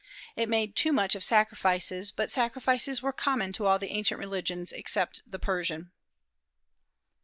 It made too much of sacrifices; but sacrifices were common to all the ancient religions except the Persian.